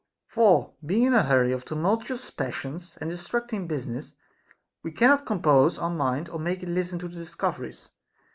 For being in a hurry of tumultuous passions and distracting business, we cannot compose our mind or make it listen to the dis coveries.